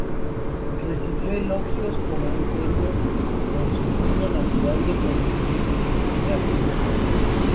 Recibió elogios como un genio en su estilo natural de conducir y rápido ingenio.